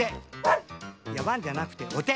いやワンじゃなくておて！